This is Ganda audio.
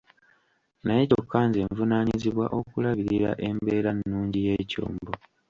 Naye kyokka nze nvunaanyizibwa okulabirira embeera-nnungi y'ekyombo.